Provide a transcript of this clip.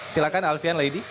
silahkan alfian lady